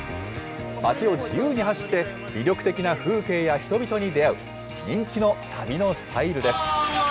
街を自由に走って魅力的な風景や人々に出会う、人気の旅のスタイルです。